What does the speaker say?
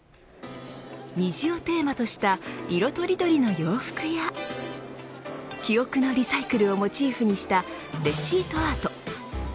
虹をテーマとした色とりどりの洋服や記憶のリサイクルをモチーフにしたレシートアート。